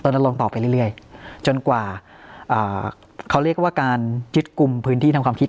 ลงต่อไปเรื่อยจนกว่าเขาเรียกว่าการยึดกลุ่มพื้นที่ทำความคิด